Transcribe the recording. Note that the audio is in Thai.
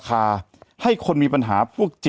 แต่หนูจะเอากับน้องเขามาแต่ว่า